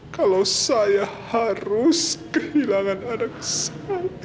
kalau saya harus kehilangan anak saya